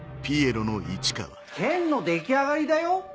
剣の出来上がりだよ！